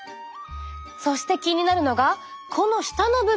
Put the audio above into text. そして気になるのがこの下の部分。